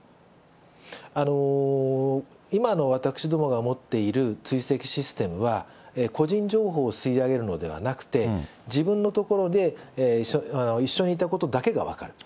今の私どもが持っている追跡システムは、個人情報を吸い上げるのではなくて、自分のところで一緒にいたことだけが分かる。